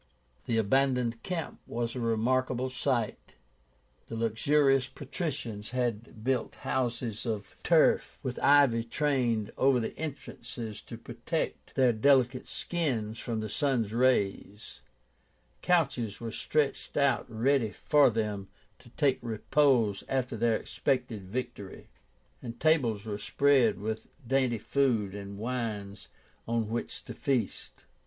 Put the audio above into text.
The abandoned camp was a remarkable sight. The luxurious patricians had built houses of turf with ivy trained over the entrances to protect their delicate skins from the sun's rays; couches were stretched out ready for them to take repose after their expected victory, and tables were spread with dainty food and wines on which to feast.